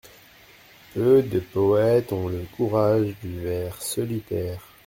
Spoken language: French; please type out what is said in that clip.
Peu de poètes ont le courage du vers solitaire !